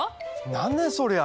何ねそりゃ！